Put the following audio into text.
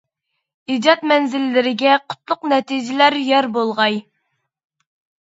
ئىجاد مەنزىللىرىگە قۇتلۇق نەتىجىلەر يار بولغاي!